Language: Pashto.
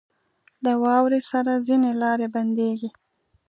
• د واورې سره ځینې لارې بندېږي.